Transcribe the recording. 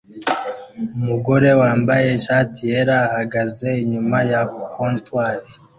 Umugore wambaye ishati yera ahagaze inyuma ya comptoir